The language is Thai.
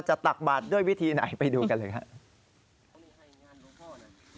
ตักบาทด้วยวิธีไหนไปดูกันเลยครับ